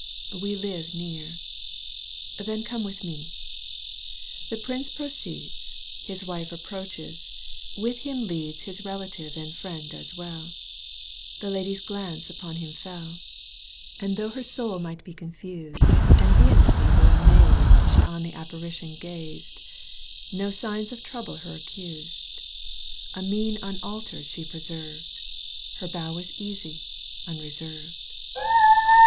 — "We live near." " Then come with me." The prince proceeds. His wife approaches, with him leads His relative and friend as weU. The lady's glance upon him fell — And though her soul might be confused. Digitized by VjOOQ 1С 1 232 EUGENE ONJEGUINE. canto vm. And vehemently though amazed • She on the apparition gazed. No signs of trouble her accused, A mien unaltered she preserved. Her bow was easy, unreserved.